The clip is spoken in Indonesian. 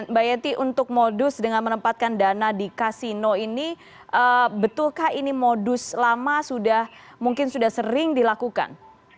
mbak yeti untuk modus dengan menempatkan dana di kasino ini betulkah ini modus lama sudah mungkin sudah sering dilakukan